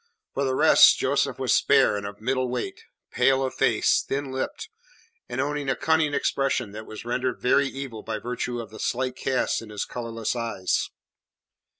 For the rest Joseph was spare and of middle weight, pale of face, thin lipped, and owning a cunning expression that was rendered very evil by virtue of the slight cast in his colourless eyes.